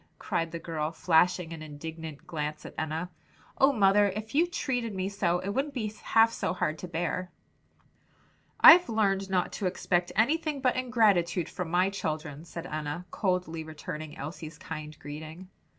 cried the girl, flashing an indignant glance at Enna. "Oh, mother, if you treated me so, it wouldn't be half so hard to bear!" "I've learned not to expect anything but ingratitude from my children," said Enna, coldly returning Elsie's kind greeting.